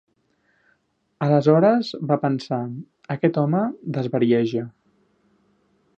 Aleshores va pensar: aquest home desvarieja